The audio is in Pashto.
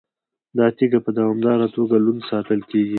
دا تیږه په دوامداره توګه لوند ساتل کیږي.